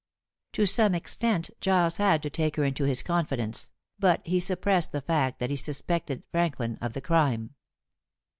To some extent Giles had to take her into his confidence, but he suppressed the fact that he suspected Franklin of the crime.